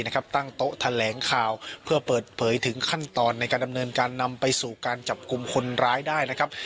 ตั้งโต๊ะแถลงข่าวเพื่อเปิดเผยถึงขั้นตอนในการดำเนินการนำไปสู่การจับกลุ่มคนร้ายได้นะครับ